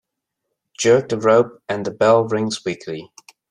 Jerk the rope and the bell rings weakly.